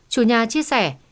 chủ nhà chia sẻ